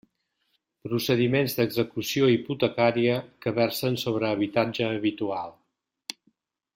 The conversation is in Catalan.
Procediments d'execució hipotecària que versen sobre habitatge habitual.